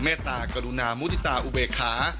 เมตตากรุณามุทิตาอุเบขา